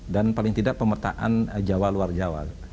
dan paling tidak pemertaan jawa luar jawa